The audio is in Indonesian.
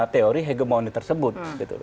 teori hegemoni tersebut